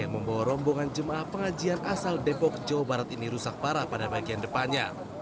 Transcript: yang membawa rombongan jemaah pengajian asal depok jawa barat ini rusak parah pada bagian depannya